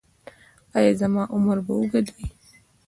ایا زما عمر به اوږد وي؟